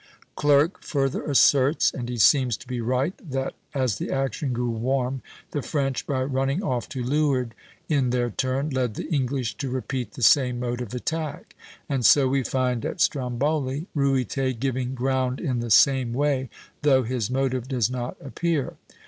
Clerk further asserts, and he seems to be right, that as the action grew warm, the French, by running off to leeward, in their turn, led the English to repeat the same mode of attack; and so we find, at Stromboli, Ruyter giving ground in the same way, though his motive does not appear.